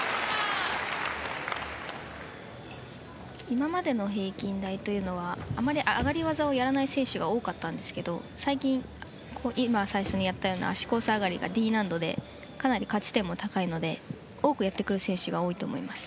今までの平均台というのはあまり上がり技をやらない選手が多かったんですけど最近、最初にやったような脚交差上がりがＤ難度でかなり価値点も高いのでやってくる選手が多いと思います。